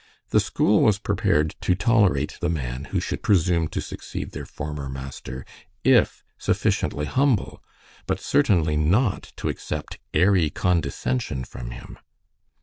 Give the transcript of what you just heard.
The school was prepared to tolerate the man who should presume to succeed their former master, if sufficiently humble, but certainly not to accept airy condescension from him.